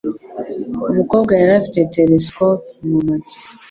Umukobwa yari afite telesikope mu ntoki.